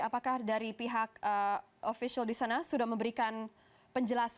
apakah dari pihak ofisial di sana sudah memberikan penjelasan